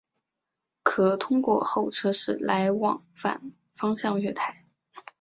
可通过候车室来往反方向月台。